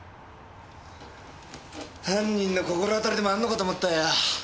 犯人の心当たりでもあるのかと思ったよ。